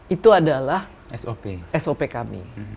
itu adalah sop kami